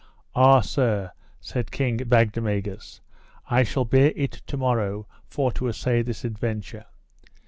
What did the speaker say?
Ah sir, said King Bagdemagus, I shall it bear to morrow for to assay this adventure.